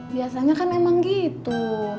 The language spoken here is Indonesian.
biasanya kan memang gitu